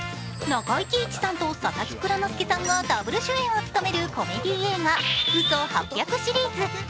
中井貴一さんと佐々木蔵之介さんがダブル主演を務めるコメディ映画「嘘八百」シリーズ。